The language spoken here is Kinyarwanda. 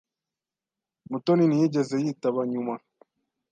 Mutoni ntiyigeze yitaba nyuma.